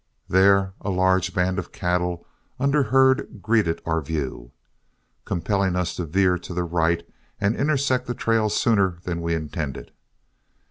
There a large band of cattle under herd greeted our view, compelling us to veer to the right and intersect the trail sooner than we intended.